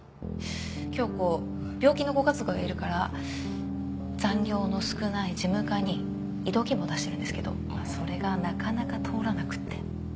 杏子病気のご家族がいるから残業の少ない事務課に異動希望を出してるんですけどそれがなかなか通らなくて。